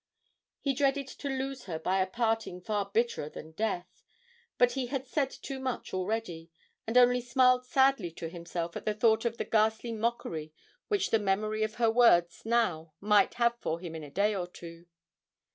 He dreaded to lose her by a parting far bitterer than death; but he had said too much already, and only smiled sadly to himself at the thought of the ghastly mockery which the memory of her words now might have for him in a day or two.